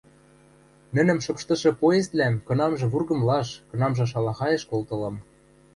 — Нӹнӹм шыпштышы поездвлӓм кынамжы вургымлаш, кынамжы шалахайыш колтылам.